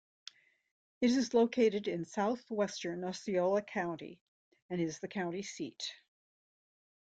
It is located in southwestern Osceola County and is the county seat.